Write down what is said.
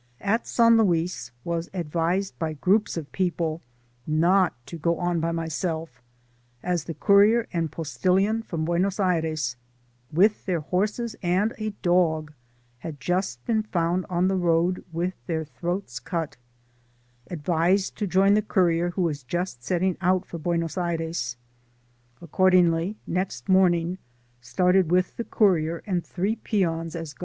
At San Luis was advised by groups of people, not to go on by myself, as the courier and postilion (from Buenbs Aires), with their horses and a dog, had just been found on the road with their throats cut — ^advised to join the courier who was just setting out for Buenos Aires. Accord ingly, next morning started with the courier and three peons as.